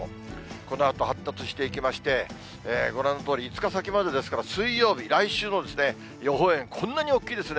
このあと発達していきまして、ご覧のとおり５日先までですから、水曜日、来週の予報円、こんなに大きいですね。